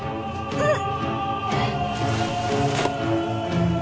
うっ！